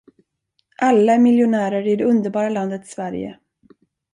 Alla är miljonärer i det underbara landet Sverige.